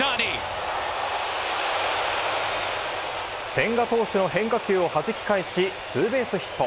千賀投手の変化球をはじき返しツーベースヒット。